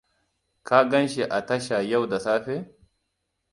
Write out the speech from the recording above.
Ka ganshi a tasha yau da safe?